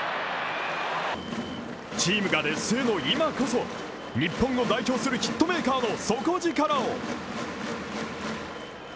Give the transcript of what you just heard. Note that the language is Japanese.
チームが劣勢の今こそ、日本を代表するヒットメーカーの底力を！